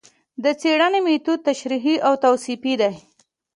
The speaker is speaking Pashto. د څېړنې مېتود تشریحي او توصیفي دی